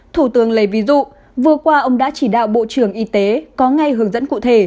thủ tướng lấy ví dụ vừa qua ông đã chỉ đạo bộ trưởng y tế có ngay hướng dẫn cụ thể